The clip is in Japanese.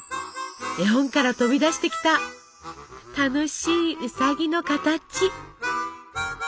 絵本から飛び出してきた楽しいウサギの形。